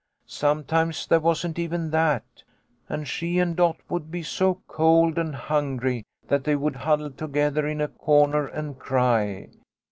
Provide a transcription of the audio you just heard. Sometimes there wasn't even that, and she and Dot would be so cold and hungry that they would huddle together in a corner and cry.